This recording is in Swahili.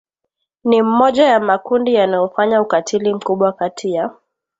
ni mmoja ya makundi yanayofanya ukatili mkubwa kati ya